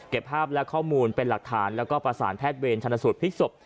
เก็บภาพและข้อมูลเป็นหลักฐานและประสานแพทย์เวรชะนสุดพิกษบ